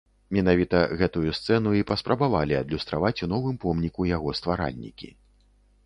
Менавіта гэтую сцэну і паспрабавалі адлюстраваць у новым помніку яго стваральнікі.